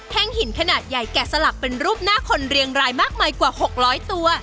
หินขนาดใหญ่แกะสลักเป็นรูปหน้าคนเรียงรายมากมายกว่า๖๐๐ตัว